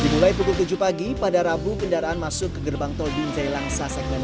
dimulai pukul tujuh pagi pada rabu kendaraan masuk ke gerbang tol binjai langsa segmen